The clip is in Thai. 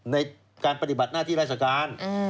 ในการปฏิบัติหน้าที่ราชการ